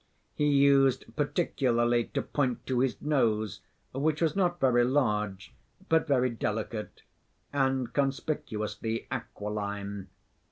He used particularly to point to his nose, which was not very large, but very delicate and conspicuously aquiline.